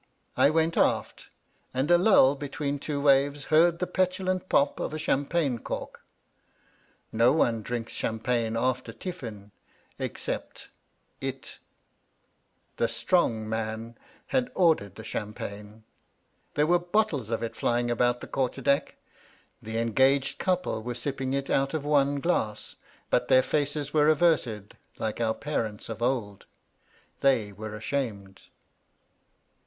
I went aft, and a lull between two waves heard the petulant pop of a champagne cork. No one drinks champagne after tiffin except .. • JLV9 The strong man had ordered the cham pagne. There were bottles of it flying about the quarter deck. The engaged couple were sipping it out of one glass, but their faces were averted like our parents of old. They were ashamed.